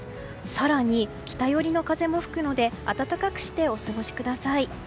更に、北寄りの風も吹くので暖かくしてお過ごしください。